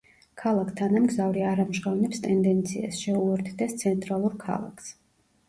ქალაქ-თანამგზავრი არ ამჟღავნებს ტენდენციას, შეუერთდეს ცენტრალურ ქალაქს.